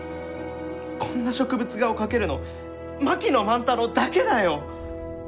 こんな植物画を描けるの槙野万太郎だけだよ！